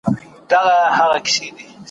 له لېوه خلاص سې قصاب دي بیايي ,